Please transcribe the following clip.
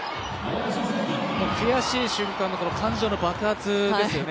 悔しい瞬間の感情の爆発ですよね。